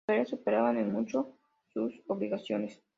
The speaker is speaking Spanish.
Sus tareas superaban en mucho sus obligaciones.